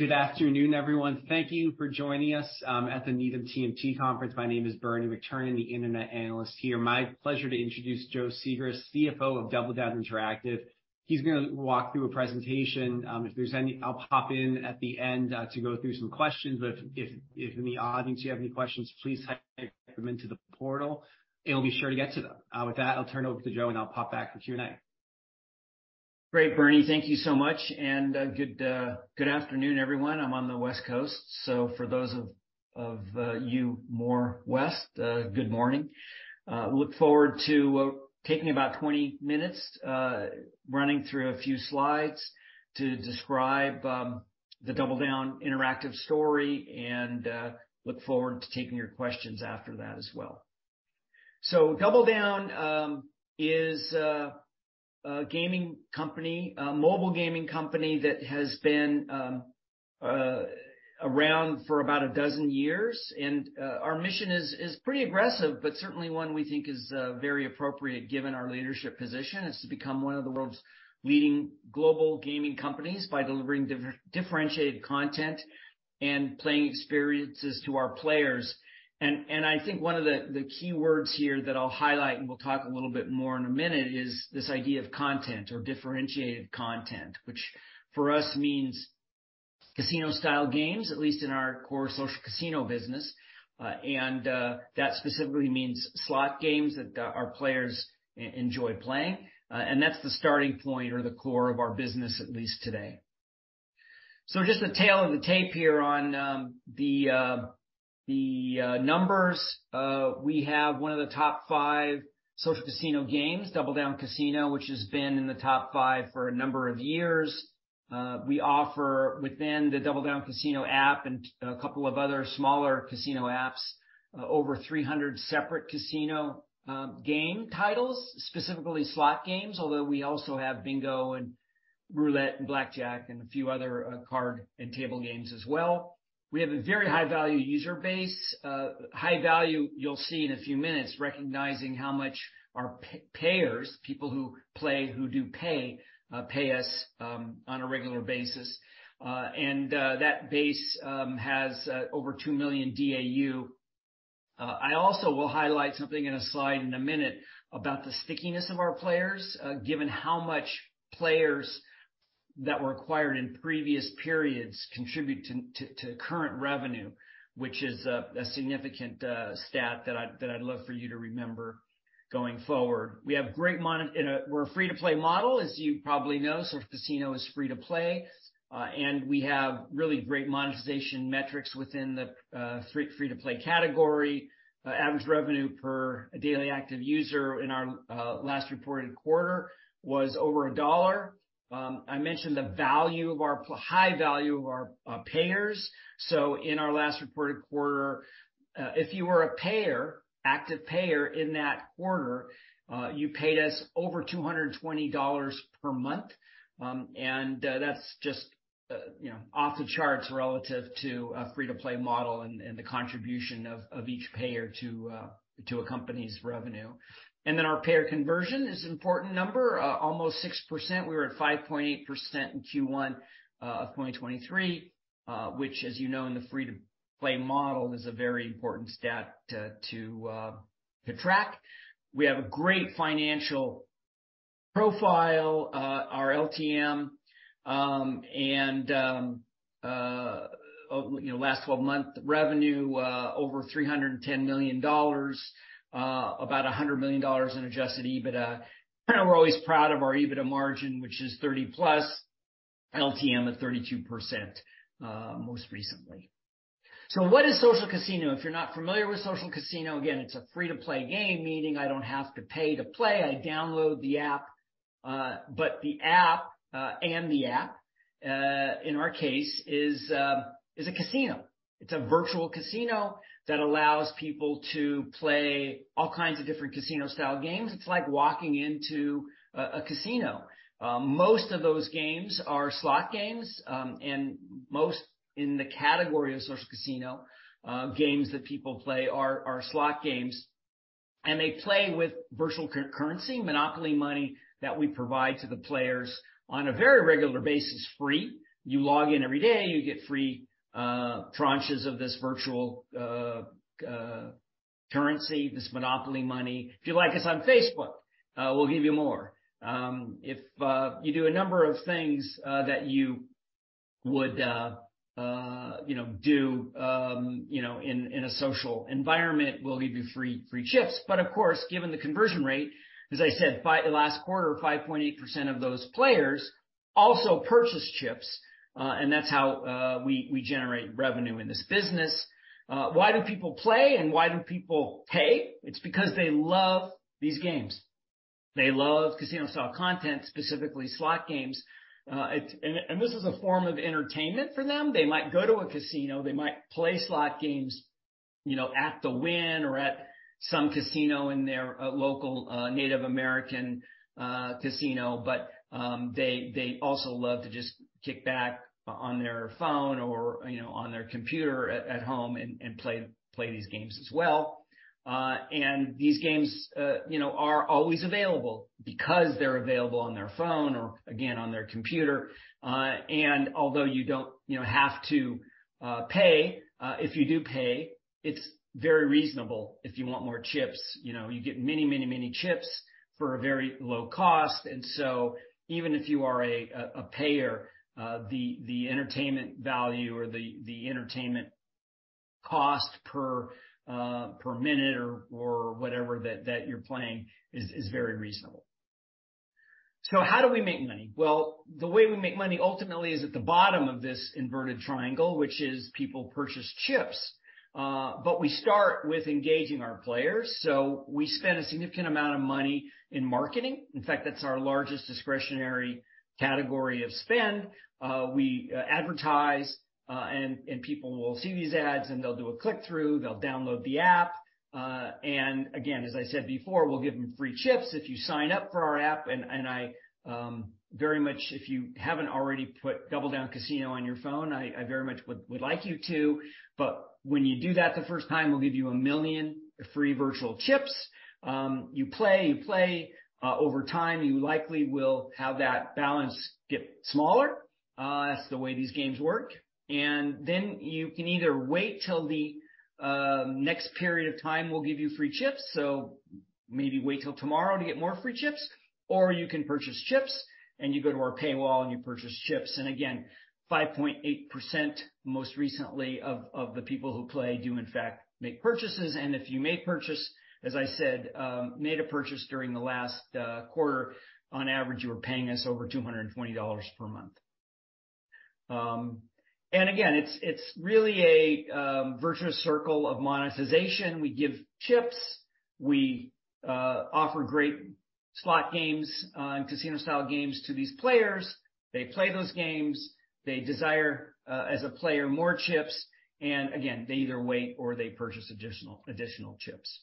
Good afternoon, everyone. Thank you for joining us at the Needham TMT Conference. My name is Bernie McTernan, the internet analyst here. My pleasure to introduce Joe Sigrist, CFO of DoubleDown Interactive. He's gonna walk through a presentation. I'll pop in at the end to go through some questions. If in the audience you have any questions, please type them into the portal, and we'll be sure to get to them. With that, I'll turn it over to Joe, and I'll pop back for Q&A. Great, Bernie. Thank you so much. Good, good afternoon, everyone. I'm on the West Coast, so for those of you more west, good morning. Look forward to taking about 20 minutes, running through a few slides to describe the DoubleDown Interactive story and look forward to taking your questions after that as well. DoubleDown is a gaming company, a mobile gaming company that has been around for about 12 years. Our mission is pretty aggressive, but certainly one we think is very appropriate given our leadership position. It's to become one of the world's leading global gaming companies by delivering differentiated content and playing experiences to our players. I think one of the key words here that I'll highlight, and we'll talk a little bit more in a minute, is this idea of content or differentiated content. Which for us means casino-style games, at least in our core social casino business. That specifically means slot games that our players enjoy playing. That's the starting point or the core of our business, at least today. Just the tale of the tape here on the numbers. We have one of the top five social casino games, DoubleDown Casino, which has been in the top five for a number of years. We offer within the DoubleDown Casino app and a couple of other smaller casino apps, over 300 separate casino game titles, specifically slot games, although we also have bingo and roulette and blackjack and a few other card and table games as well. We have a very high-value user base. High value you'll see in a few minutes, recognizing how much our people who play, who do pay us on a regular basis. That base has over two million DAU. I also will highlight something in a slide in a minute about the stickiness of our players, given how much players that were acquired in previous periods contribute to current revenue, which is a significant stat that I'd love for you to remember going forward. We have great we're a free-to-play model, as you probably know. Social casino is free to play. we have really great monetization metrics within the free-to-play category. average revenue per daily active user in our last reported quarter was over $1. I mentioned the high value of our payers. in our last reported quarter, if you were a payer, active payer in that quarter, you paid us over $220 per month. that's just, you know, off the charts relative to a free-to-play model and the contribution of each payer to a company's revenue. our payer conversion is an important number, almost 6%. We were at 5.8% in Q1 of 2023, which, as you know, in the free-to-play model is a very important stat to track. We have a great financial profile. Our LTM, and, you know, last 12 month revenue, over $310 million, about $100 million in adjusted EBITDA. We're always proud of our EBITDA margin, which is 30+ LTM at 32% most recently. What is social casino? If you're not familiar with social casino, again, it's a free-to-play game, meaning I don't have to pay to play. I download the app. The app, and the app, in our case is a casino. It's a virtual casino that allows people to play all kinds of different casino-style games. It's like walking into a casino. Most of those games are slot games, and most in the category of social casino games that people play are slot games, and they play with virtual currency, monopoly money that we provide to the players on a very regular basis, free. You log in every day, you get free tranches of this virtual currency, this monopoly money. If you like us on Facebook, we'll give you more. If you do a number of things that you would, you know, do, you know, in a social environment, we'll give you free chips. Of course, given the conversion rate, as I said, last quarter, 5.8% of those players also purchased chips. That's how we generate revenue in this business. Why do people play and why do people pay? It's because they love these games. They love casino-style content, specifically slot games. This is a form of entertainment for them. They might go to a casino, they might play slot games, you know, at the Wynn or at some casino in their local Native American casino. They also love to just kick back on their phone or you know, on their computer at home and play these games as well. These games, you know, are always available because they're available on their phone or again, on their computer. Although you don't, you know, have to pay, if you do pay, it's very reasonable if you want more chips. You know, you get many, many, many chips for a very low cost. Even if you are a payer, the entertainment value or the entertainment cost per minute or whatever that you're playing is very reasonable. How do we make money? Well, the way we make money ultimately is at the bottom of this inverted triangle, which is people purchase chips. We start with engaging our players. We spend a significant amount of money in marketing. In fact, that's our largest discretionary category of spend. We advertise, and people will see these ads, and they'll do a click-through, they'll download the app. Again, as I said before, we'll give them free chips if you sign up for our app. I, very much if you haven't already put DoubleDown Casino on your phone, I very much would like you to. When you do that the first time, we'll give you one million free virtual chips. You play, over time, you likely will have that balance get smaller. That's the way these games work. You can either wait till the next period of time we'll give you free chips. Maybe wait till tomorrow to get more free chips, or you can purchase chips, and you go to our paywall, and you purchase chips. Again, 5.8% most recently of the people who play do in fact make purchases. If you make purchase, as I said, made a purchase during the last quarter, on average, you were paying us over $220 per month. Again, it's really a virtuous circle of monetization. We give chips. We offer great slot games and casino-style games to these players. They play those games. They desire, as a player, more chips. Again, they either wait or they purchase additional chips.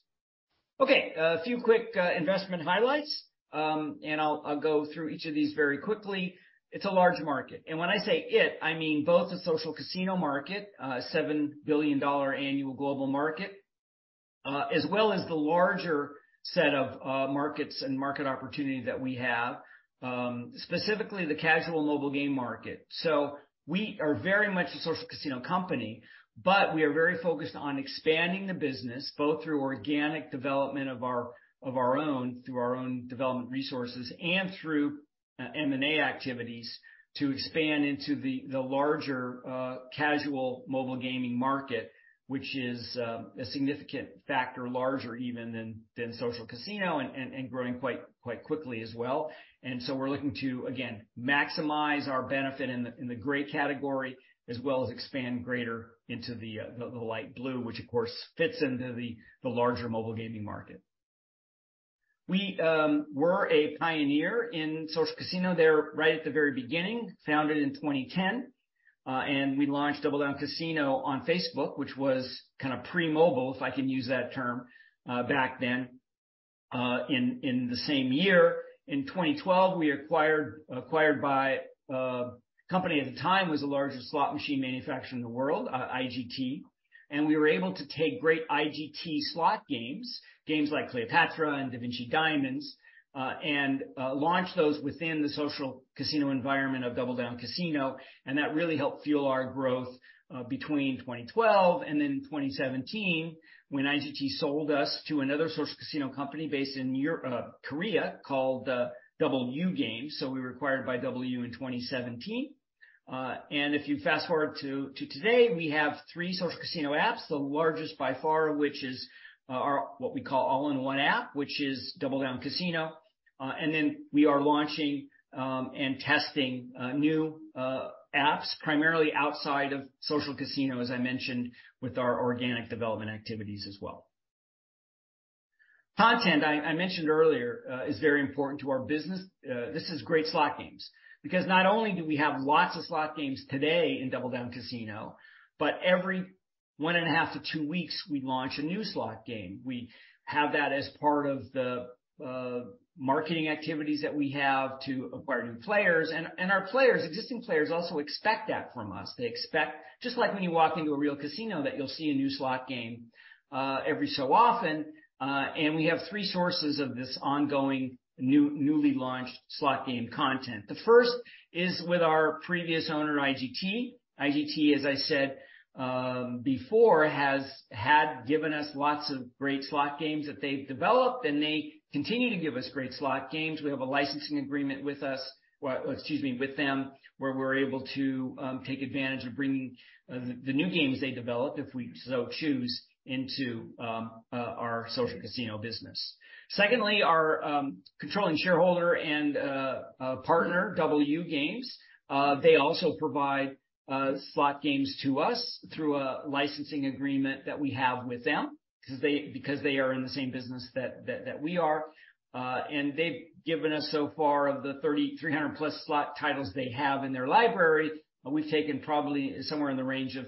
Okay, a few quick investment highlights, I'll go through each of these very quickly. It's a large market. When I say it, I mean both the social casino market, $7 billion annual global market, as well as the larger set of markets and market opportunity that we have, specifically the casual mobile game market. We are very much a social casino company, but we are very focused on expanding the business both through organic development of our, of our own, through our own development resources and through M&A activities to expand into the larger casual mobile gaming market, which is a significant factor, larger even than social casino and growing quite quickly as well. We're looking to, again, maximize our benefit in the gray category, as well as expand greater into the light blue, which of course fits into the larger mobile gaming market. We were a pioneer in social casino there right at the very beginning, founded in 2010. We launched DoubleDown Casino on Facebook, which was kind of pre-mobile, if I can use that term, back then, in the same year. In 2012, we acquired by a company at the time was the largest slot machine manufacturer in the world, IGT. We were able to take great IGT slot games like Cleopatra and Da Vinci Diamonds, and launch those within the social casino environment of DoubleDown Casino. That really helped fuel our growth between 2012 and then 2017, when IGT sold us to another social casino company based in Korea called DoubleU Games. We were acquired by DoubleU in 2017. If you fast-forward to today, we have three social casino apps, the largest by far, which is our what we call all-in-one app, which is DoubleDown Casino. We are launching and testing new apps primarily outside of social casino, as I mentioned, with our organic development activities as well. Content, I mentioned earlier, is very important to our business. This is great slot games because not only do we have lots of slot games today in DoubleDown Casino, but every one and a half to two weeks, we launch a new slot game. We have that as part of the marketing activities that we have to acquire new players. Our players, existing players also expect that from us. They expect, just like when you walk into a real casino, that you'll see a new slot game every so often. We have three sources of this ongoing new, newly launched slot game content. The first is with our previous owner, IGT. IGT, as I said before, had given us lots of great slot games that they've developed, and they continue to give us great slot games. We have a licensing agreement with them, where we're able to take advantage of bringing the new games they develop, if we so choose, into our social casino business. Secondly, our controlling shareholder and partner, DoubleU Games, they also provide slot games to us through a licensing agreement that we have with them because they are in the same business that we are. They've given us so far of the 3,300+ slot titles they have in their library, we've taken probably somewhere in the range of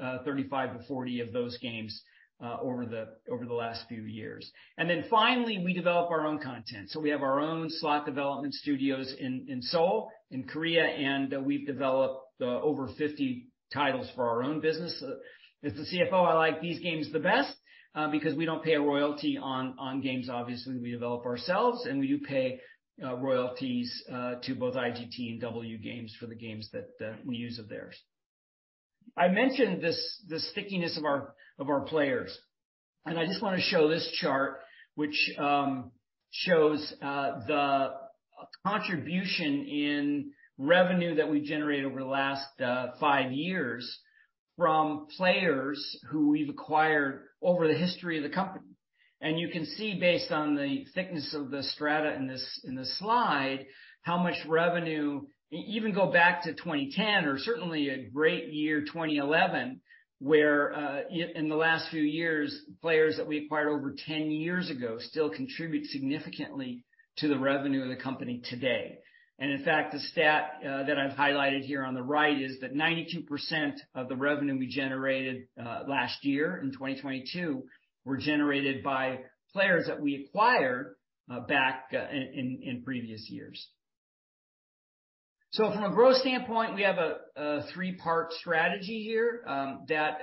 35-40 of those games over the last few years. Finally, we develop our own content. We have our own slot development studios in Seoul, in Korea, and we've developed over 50 titles for our own business. As the CFO, I like these games the best, because we don't pay a royalty on games obviously we develop ourselves, and we do pay royalties to both IGT and DoubleU Games for the games that we use of theirs. I mentioned this, the stickiness of our, of our players. I just want to show this chart, which shows the contribution in revenue that we generated over the last five years from players who we've acquired over the history of the company. You can see based on the thickness of the strata in this, in this slide, how much revenue, even go back to 2010 or certainly a great year, 2011, where in the last few years, players that we acquired over 10 years ago still contribute significantly to the revenue of the company today. In fact, the stat that I've highlighted here on the right is that 92% of the revenue we generated last year in 2022 were generated by players that we acquired back in previous years. From a growth standpoint, we have a three-part strategy here that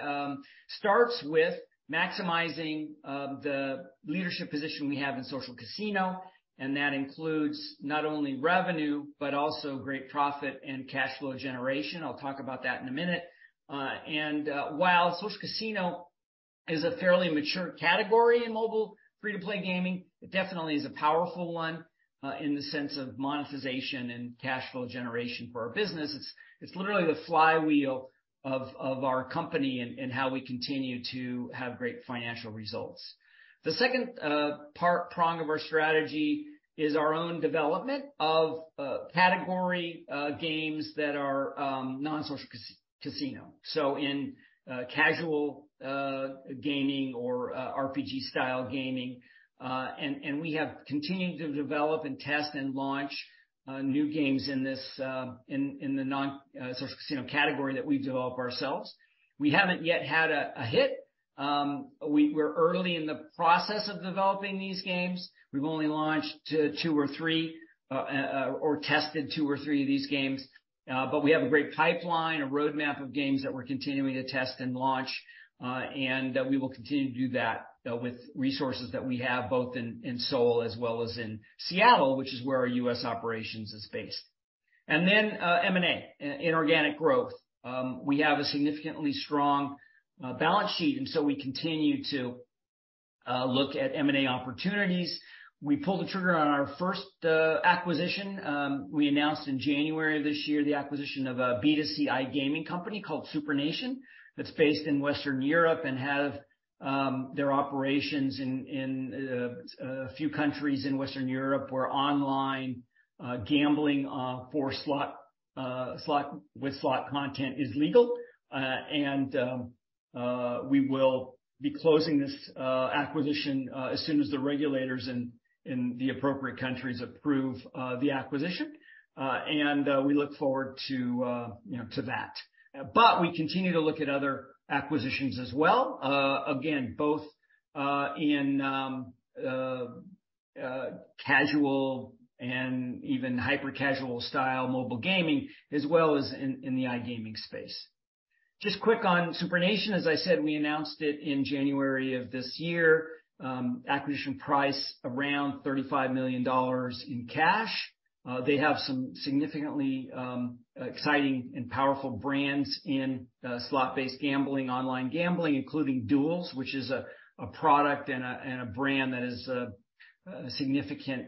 starts with maximizing the leadership position we have in social casino, and that includes not only revenue, but also great profit and cash flow generation. I'll talk about that in a minute. While social casino is a fairly mature category in mobile free-to-play gaming, it definitely is a powerful one in the sense of monetization and cash flow generation for our business. It's literally the flywheel of our company and how we continue to have great financial results. The second prong of our strategy is our own development of category games that are non-social casino. In casual gaming or RPG style gaming. We have continued to develop and test and launch new games in this in the non-social casino category that we've developed ourselves. We haven't yet had a hit. We're early in the process of developing these games. We've only tested two or three of these games, but we have a great pipeline, a roadmap of games that we're continuing to test and launch, and that we will continue to do that with resources that we have both in Seoul as well as in Seattle, which is where our U.S. operations is based. M&A, inorganic growth. We have a significantly strong balance sheet, so we continue to look at M&A opportunities. We pulled the trigger on our first acquisition. We announced in January of this year the acquisition of a B2C iGaming company called SuprNation, that's based in Western Europe and have their operations in a few countries in Western Europe where online gambling for slot with slot content is legal. We will be closing this acquisition as soon as the regulators in the appropriate countries approve the acquisition. We look forward to, you know, to that. We continue to look at other acquisitions as well, again, both in casual and even hyper-casual style mobile gaming, as well as in the iGaming space. Just quick on SuprNation, as I said, we announced it in January of this year. Acquisition price around $35 million in cash. They have some significantly exciting and powerful brands in slot-based gambling, online gambling, including Duelz, which is a product and a brand that is significantly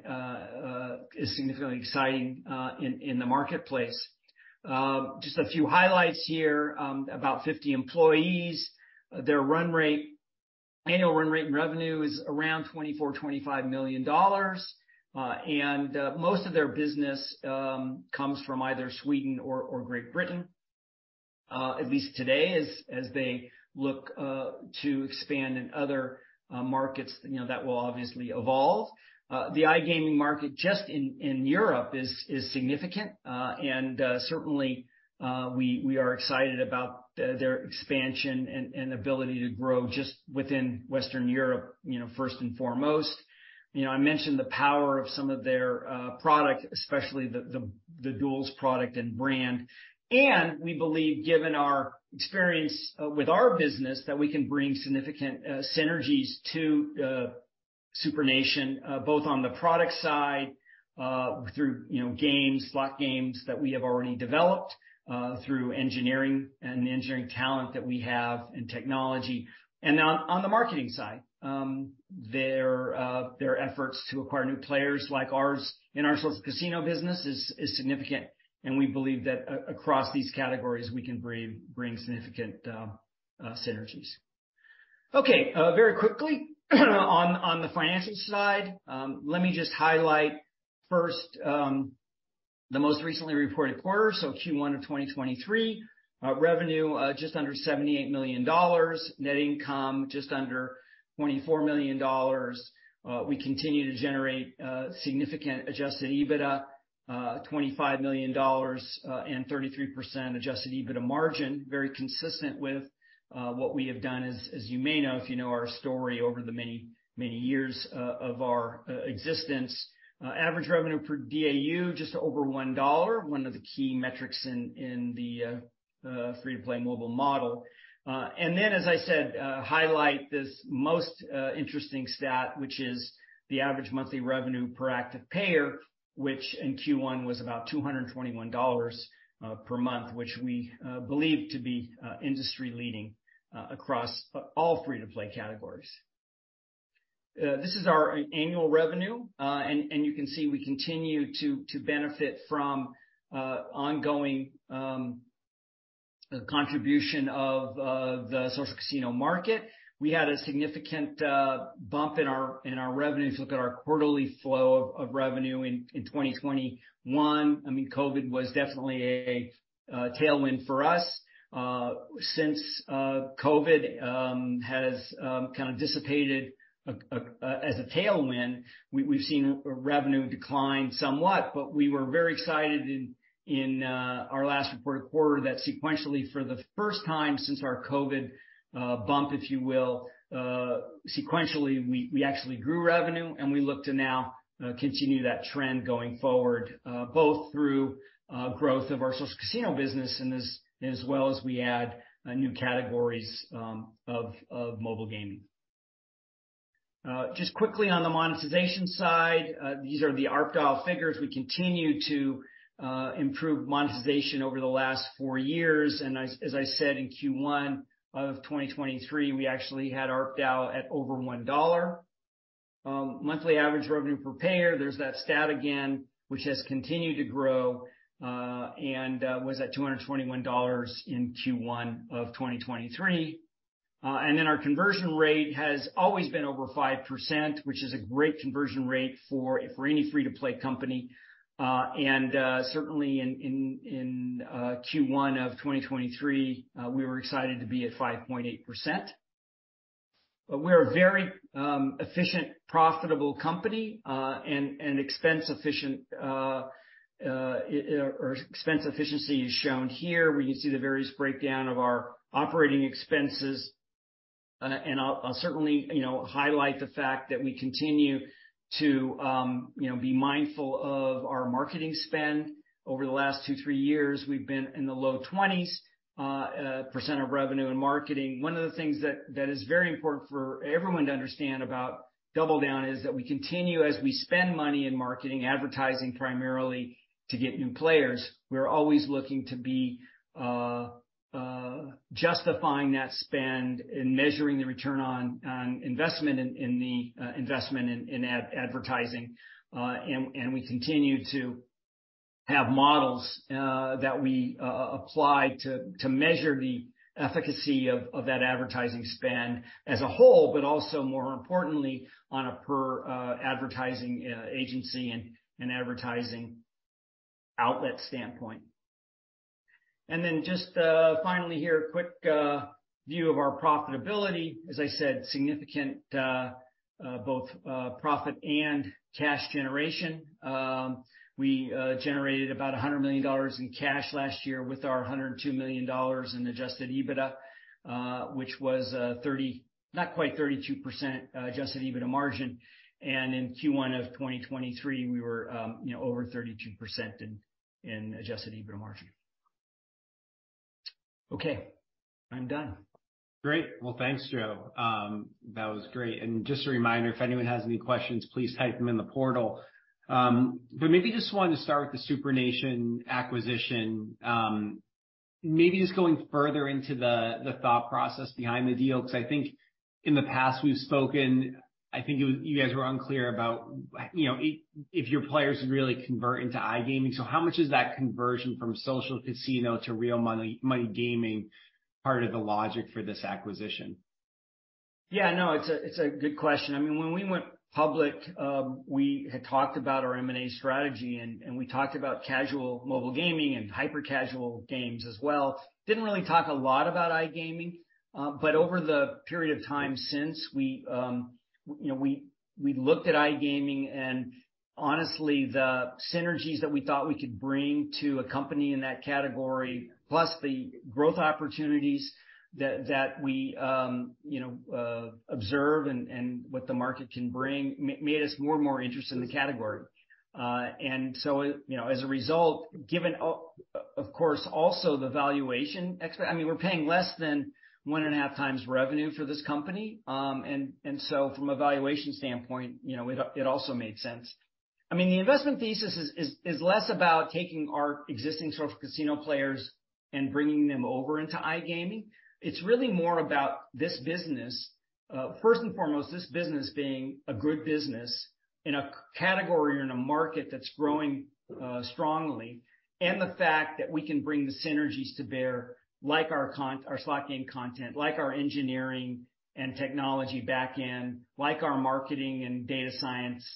exciting in the marketplace. Just a few highlights here. About 50 employees. Their annual run rate in revenue is around $24 million-$25 million. Most of their business comes from either Sweden or Great Britain, at least today as they look to expand in other markets. You know, that will obviously evolve. The iGaming market just in Europe is significant. Certainly, we are excited about their expansion and ability to grow just within Western Europe, you know, first and foremost. You know, I mentioned the power of some of their product, especially the Duelz product and brand. We believe, given our experience with our business, that we can bring significant synergies to SuprNation, both on the product side, through, you know, games, slot games that we have already developed, through engineering and the engineering talent that we have in technology. On the marketing side, their efforts to acquire new players like ours in our social casino business is significant. We believe that across these categories, we can bring significant synergies. Very quickly on the financial side, let me just highlight first the most recently reported quarter, so Q1 of 2023. Revenue just under $78 million. Net income just under $24 million. We continue to generate significant adjusted EBITDA, $25 million, and 33% Adjusted EBITDA margin, very consistent with what we have done, as you may know, if you know our story over the many years of our existence. Average revenue per DAU, just over $1, one of the key metrics in the free-to-play mobile model. Then, as I said, highlight this most interesting stat, which is the average monthly revenue per active payer, which in Q1 was about $221 per month, which we believe to be industry-leading across all free-to-play categories. This is our annual revenue. You can see we continue to benefit from ongoing contribution of the social casino market. We had a significant bump in our revenues. Look at our quarterly flow of revenue in 2021. I mean, COVID was definitely a tailwind for us. Since COVID has kind of dissipated as a tailwind, we've seen a revenue decline somewhat, but we were very excited in our last reported quarter that sequentially, for the first time since our COVID bump, if you will, sequentially we actually grew revenue. We look to now continue that trend going forward, both through growth of our social casino business and as well as we add new categories of mobile gaming. Just quickly on the monetization side, these are the ARPDAU figures. We continue to improve monetization over the last four years. As I said, in Q1 of 2023, we actually had ARPDAU at over $1. Monthly average revenue per payer, there's that stat again, which has continued to grow, and was at $221 in Q1 of 2023. Our conversion rate has always been over 5%, which is a great conversion rate for any free-to-play company. Certainly in Q1 of 2023, we were excited to be at 5.8%. We're a very efficient, profitable company. Expense efficient, expense efficiency is shown here, where you can see the various breakdown of our operating expenses. I'll certainly, you know, highlight the fact that we continue to, you know, be mindful of our marketing spend. Over the last 2-3 years, we've been in the low 20s percent of revenue and marketing. One of the things that is very important for everyone to understand about DoubleDown is that we continue as we spend money in marketing, advertising primarily to get new players. We're always looking to be justifying that spend and measuring the return on investment in the investment in advertising. We continue to have models that we apply to measure the efficacy of that advertising spend as a whole, but also more importantly on a per advertising agency and advertising outlet standpoint. Just finally here, quick view of our profitability. As I said, significant both profit and cash generation. We generated about $100 million in cash last year with our $102 million in adjusted EBITDA, which was not quite 32% Adjusted EBITDA margin. In Q1 of 2023, we were over 32% in Adjusted EBITDA margin. Okay, I'm done. Great. Well, thanks, Joe. That was great. Just a reminder, if anyone has any questions, please type them in the portal. Maybe just wanted to start with the SuprNation acquisition. Maybe just going further into the thought process behind the deal, because I think in the past we've spoken, I think you guys were unclear about, you know, if your players really convert into iGaming. How much is that conversion from social casino to real money gaming part of the logic for this acquisition? Yeah, no, it's a good question. I mean, when we went public, we had talked about our M&A strategy, and we talked about casual mobile gaming and hyper-casual games as well. Didn't really talk a lot about iGaming. Over the period of time since we, you know, we looked at iGaming and honestly, the synergies that we thought we could bring to a company in that category, plus the growth opportunities that we, you know, observe and what the market can bring, made us more and more interested in the category. You know, as a result, given of course also the valuation, I mean, we're paying less than one and a half times revenue for this company. From a valuation standpoint, you know, it also made sense. I mean, the investment thesis is less about taking our existing social casino players and bringing them over into iGaming. It's really more about this business. First and foremost, this business being a good business in a category or in a market that's growing strongly. The fact that we can bring the synergies to bear, like our slot game content, like our engineering and technology back-end, like our marketing and data science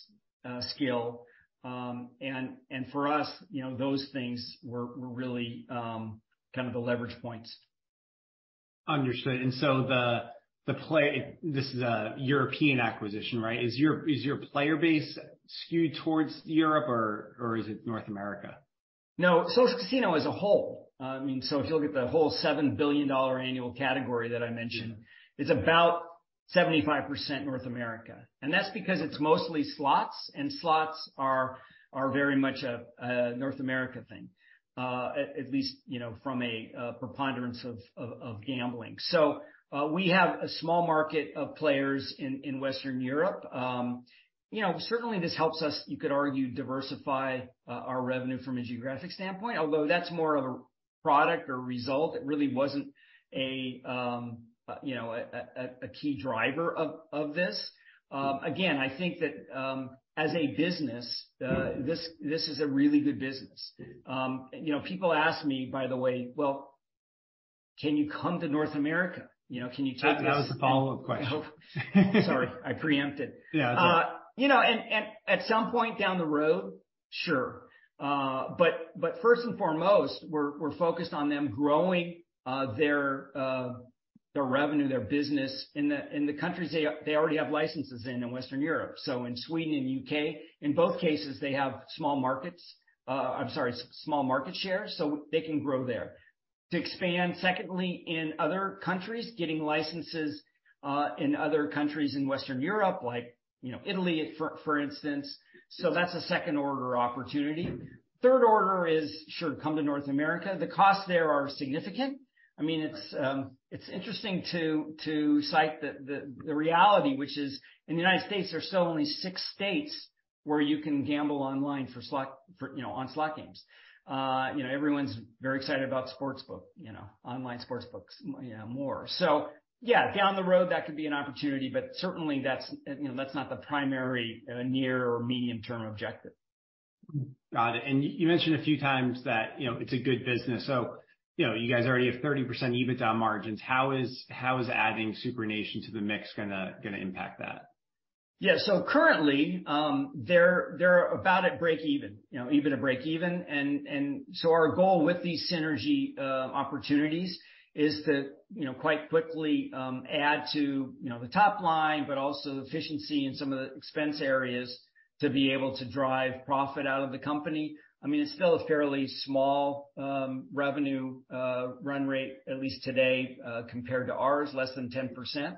skill. For us, you know, those things were really kind of the leverage points. Understood. This is a European acquisition, right? Is your player base skewed towards Europe or is it North America? No. social casino as a whole. I mean, if you look at the whole $7 billion annual category that I mentioned. Yeah. It's about 75% North America, and that's because it's mostly slots, and slots are very much a North America thing. At least, you know, from a preponderance of gambling. We have a small market of players in Western Europe. You know, certainly this helps us, you could argue, diversify our revenue from a geographic standpoint, although that's more of a product or result. It really wasn't a, you know, a key driver of this. Again, I think that as a business, this is a really good business. You know, people ask me, by the way, "Well, can you come to North America?" You know, "Can you talk to us? That was the follow-up question. Sorry, I preempted. Yeah. You know, and at some point down the road, sure. But first and foremost, we're focused on them growing their revenue, their business in the countries they already have licenses in Western Europe. In Sweden and U.K. In both cases, they have small markets, I'm sorry, small market share, so they can grow there. To expand, secondly, in other countries, getting licenses in other countries in Western Europe, like, you know, Italy for instance. That's a second-order opportunity. Third order is, sure, come to North America. The costs there are significant. I mean, it's interesting to cite the reality, which is in the United States, there's still only six states where you can gamble online for slot, for, you know, on slot games. You know, everyone's very excited about sportsbook, you know, online sportsbooks, you know, more. Yeah, down the road, that could be an opportunity, but certainly that's, you know, that's not the primary near or medium-term objective. Got it. You mentioned a few times that, you know, it's a good business, so, you know, you guys already have 30% EBITDA margins. How is adding SuprNation to the mix gonna impact that? Yeah. Currently, they're about at break even, you know, EBITDA break even. Our goal with these synergy opportunities is to, you know, quite quickly add to, you know, the top line, but also the efficiency in some of the expense areas to be able to drive profit out of the company. I mean, it's still a fairly small revenue run rate, at least today, compared to ours, less than 10%.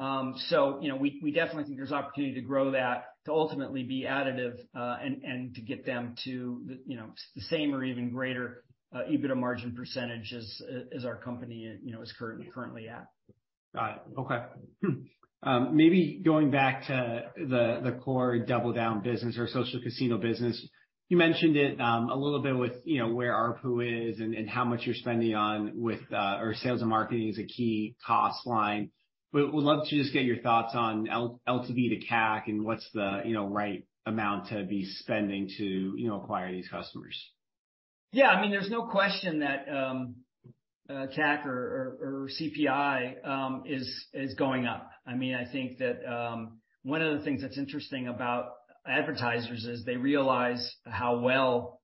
You know, we definitely think there's opportunity to grow that to ultimately be additive and to get them to the, you know, the same or even greater EBITDA margin percentage as our company, you know, is currently at. Got it. Okay. Maybe going back to the core DoubleDown business or social casino business. You mentioned it, a little bit with, you know, where ARPU is and how much you're spending on with, or sales and marketing as a key cost line. Would love to just get your thoughts on LTV to CAC and what's the, you know, right amount to be spending to, you know, acquire these customers. Yeah. I mean, there's no question that CAC or CPI is going up. I mean, I think that one of the things that's interesting about advertisers is they realize how well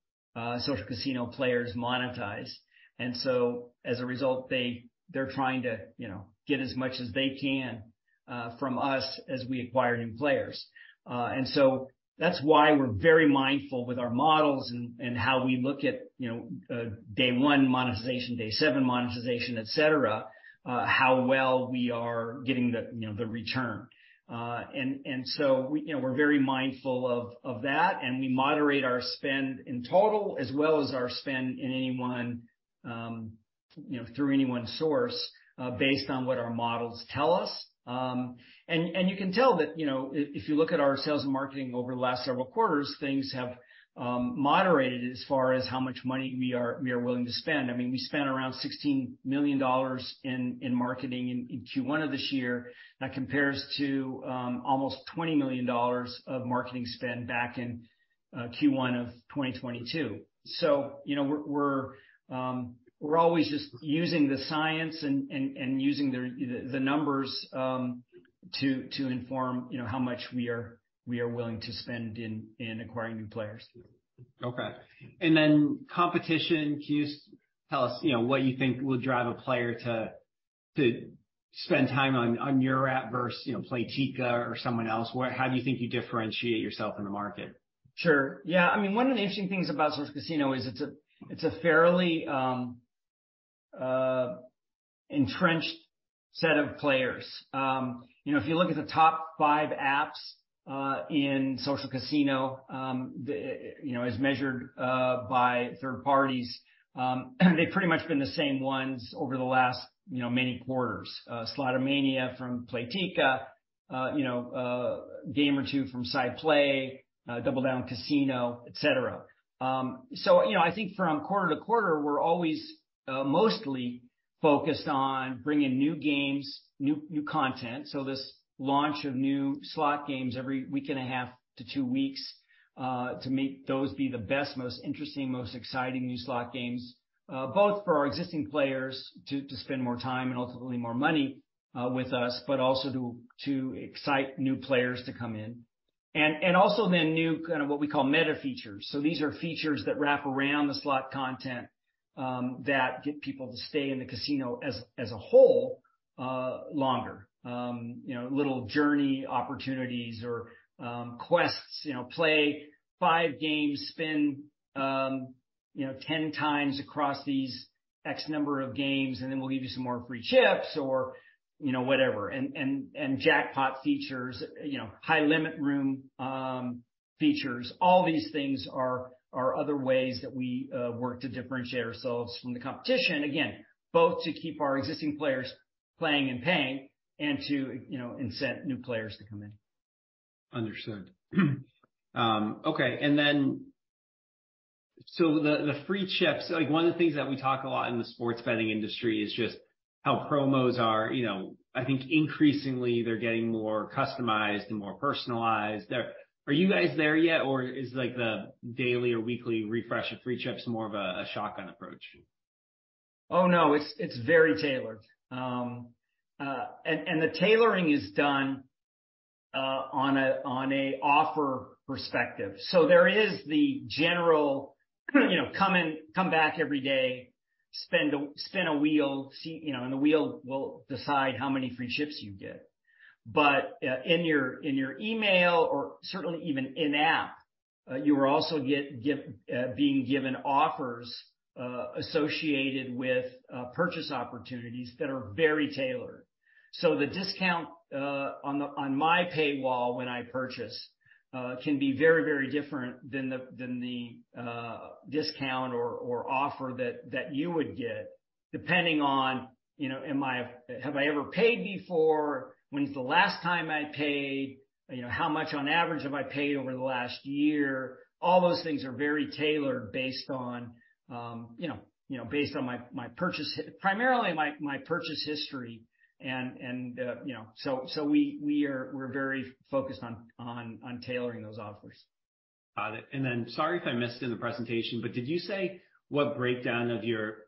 social casino players monetize. As a result, they're trying to, you know, get as much as they can from us as we acquire new players. That's why we're very mindful with our models and how we look at, you know, day 1 monetization, day seven monetization, et cetera, how well we are getting the return. We, you know, we're very mindful of that, and we moderate our spend in total as well as our spend in any one, you know, through any one source, based on what our models tell us. You can tell that, you know, if you look at our sales and marketing over the last several quarters, things have moderated as far as how much money we are willing to spend. I mean, we spent around $16 million in marketing in Q1 of this year. That compares to almost $20 million of marketing spend back in Q1 of 2022. You know, we're always just using the science and using the numbers to inform, you know, how much we are willing to spend in acquiring new players. Competition. Can you tell us, you know, what you think will drive a player to spend time on your app versus, you know, Playtika or someone else? How do you think you differentiate yourself in the market? Sure, yeah. I mean, one of the interesting things about social casino is it's a, it's a fairly entrenched set of players. You know, if you look at the top five apps in social casino, the, you know, as measured by third parties, they've pretty much been the same ones over the last, you know, many quarters. Slotomania from Playtika, you know, Gamer II from SidePlay, DoubleDown Casino, et cetera. You know, I think from quarter to quarter, we're always mostly focused on bringing new games, new content. This launch of new slot games every week and a half to two weeks, to make those be the best, most interesting, most exciting new slot games, both for our existing players to spend more time and ultimately more money with us, but also to excite new players to come in. Also then new kind of what we call meta features. These are features that wrap around the slot content, that get people to stay in the casino as a whole longer. You know, little journey opportunities or quests. You know, play five games, spend, you know, 10 times across these X number of games, and then we'll give you some more free chips or, you know, whatever. Jackpot features, you know, high limit room, features. All these things are other ways that we work to differentiate ourselves from the competition. Again, both to keep our existing players-Playing and paying and to, you know, incent new players to come in. Understood. Okay. The, the free chips, like, one of the things that we talk a lot in the sports betting industry is just how promos are, you know, I think increasingly they're getting more customized and more personalized. Are you guys there yet or is like the daily or weekly refresh of free chips more of a shotgun approach? Oh, no. It's very tailored. The tailoring is done on an offer perspective. There is the general, you know, come back every day, spin a wheel, see, you know, and the wheel will decide how many free chips you get. In your email or certainly even in-app, you will also be given offers associated with purchase opportunities that are very tailored. The discount on my paywall when I purchase can be very different than the discount or offer that you would get, depending on, you know, have I ever paid before? When's the last time I paid? You know, how much on average have I paid over the last year? All those things are very tailored based on, you know, based on my primarily my purchase history. You know. We're very focused on tailoring those offers. Got it. Sorry if I missed it in the presentation, but did you say what breakdown of your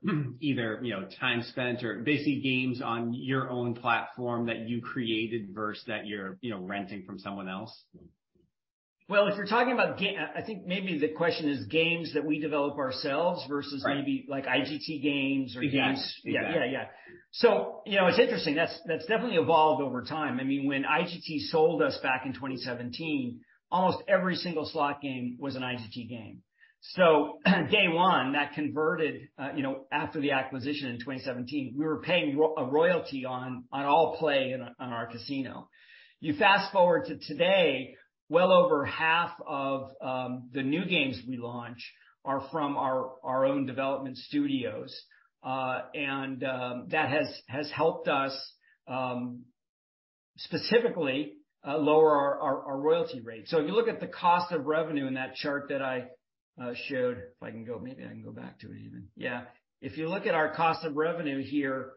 either, you know, time spent or basically games on your own platform that you created versus that you're, you know, renting from someone else? Well, if you're talking about I think maybe the question is games that we develop ourselves versus. Right. -Maybe like IGT games or games Exactly. Yeah. Yeah, yeah. You know, it's interesting. That's definitely evolved over time. I mean, when IGT sold us back in 2017, almost every single slot game was an IGT game. Day one, that converted, you know, after the acquisition in 2017, we were paying a royalty on all play on our casino. You fast-forward to today, well over half of the new games we launch are from our own development studios. That has helped us specifically lower our royalty rate. If you look at the cost of revenue in that chart that I showed, if I can maybe I can go back to it even. Yeah. If you look at our cost of revenue here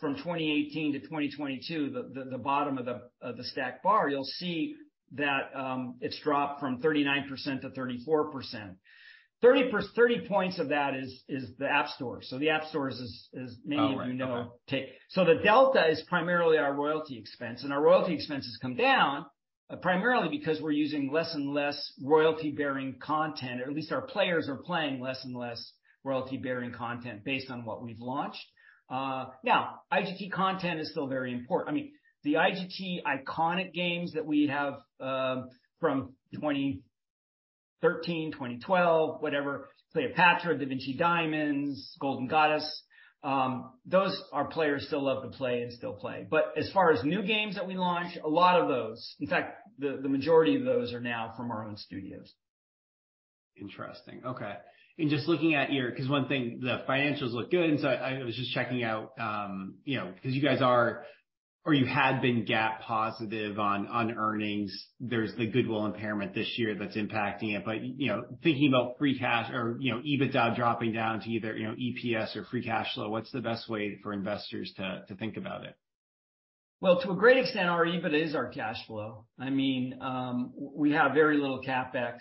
from 2018 to 2022, the bottom of the stacked bar, you'll see that it's dropped from 39% to 34%. 30 points of that is the App Store. The App Store is many of you know. Oh, right. Okay. -Take. The delta is primarily our royalty expense, and our royalty expense has come down, primarily because we're using less and less royalty-bearing content. At least our players are playing less and less royalty-bearing content based on what we've launched. Now, IGT content is still very important. I mean, the IGT iconic games that we have, from 2013, 2012, whatever, Cleopatra, Da Vinci Diamonds, Golden Goddess, those our players still love to play and still play. As far as new games that we launch, a lot of those, in fact, the majority of those are now from our own studios. Interesting. Okay. Just looking at 'cause one thing, the financials look good, and so I was just checking out, you know, 'cause you guys you had been GAAP positive on earnings. There's the goodwill impairment this year that's impacting it. You know, thinking about free cash or, you know, EBITDA dropping down to either, you know, EPS or free cash flow, what's the best way for investors to think about it? Well, to a great extent, our EBIT is our cash flow. I mean, we have very little CapEx.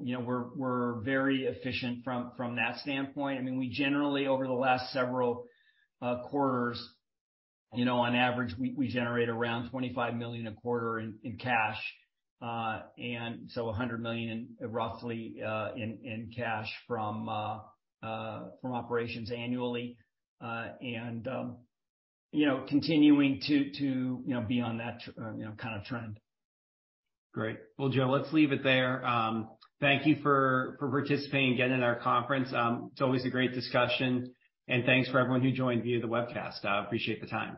You know, we're very efficient from that standpoint. I mean, we generally, over the last several quarters, you know, on average, we generate around $25 million a quarter in cash. $100 million in, roughly, in cash from operations annually. You know, continuing to, you know, be on that trend. Great. Well, Joe, let's leave it there. Thank you for participating again in our conference. It's always a great discussion. Thanks for everyone who joined via the webcast. I appreciate the time.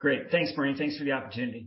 Great. Thanks, Bernie. Thanks for the opportunity.